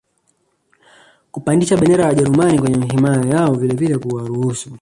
kupandisha bendera ya wajerumani kwenye himaya yao vilevile kuwaruhusu